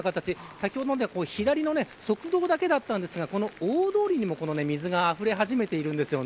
先ほど左の側道だけだったんですが大通りも、この水があふれ始めているんです。